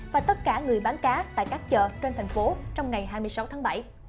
và tất cả người bán cá tại các chợ trên thành phố trong ngày hai mươi sáu tháng bảy